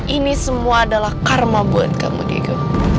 ini semua adalah karma buat kamu diego